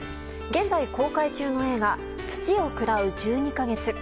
現在公開中の映画「土を喰らう十二ヵ月」。